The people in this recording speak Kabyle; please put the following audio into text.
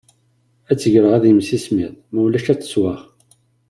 Ad tt-greɣ ad yimsismeḍ ma ulac ad tettwaɣ.